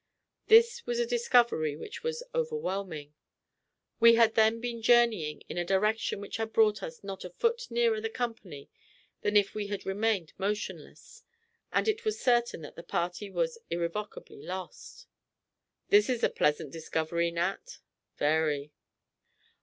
This was a discovery which was overwhelming. We had then been journeying in a direction which had brought us not a foot nearer the company than if we had remained motionless; and it was certain that the party was irrecoverably lost. "This is a pleasant discovery, Nat." "Very."